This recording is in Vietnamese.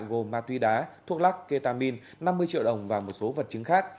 gồm ma túy đá thuốc lắc ketamine năm mươi triệu đồng và một số vật chứng khác